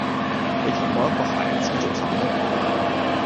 你期望一個孩子做什麼？